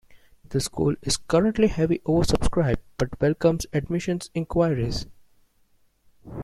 The school is currently heavily oversubscribed, but welcomes admissions inquiries.